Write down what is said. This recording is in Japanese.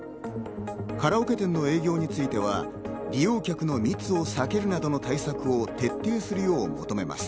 カラオケ店の営業については利用客の密を避けるなどの対策を徹底するよう求めます。